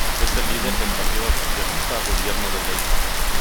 Es el líder del partido oficialista Gobierno de Ley.